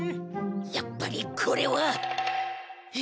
やっぱりこれは。